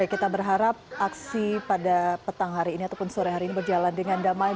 kita berharap aksi pada petang hari ini ataupun sore hari ini berjalan dengan damai